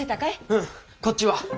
うん。こっちは？